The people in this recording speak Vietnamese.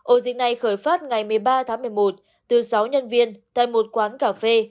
ổ dịch này khởi phát ngày một mươi ba tháng một mươi một từ sáu nhân viên tại một quán cà phê